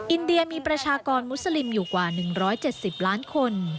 อินเดียมีประชากรมุสลิมอยู่กว่า๑๗๐ล้านคน